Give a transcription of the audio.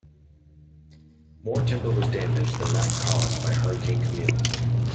More timber was damaged than that caused by Hurricane Camille.